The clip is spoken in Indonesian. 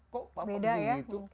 kok apa begitu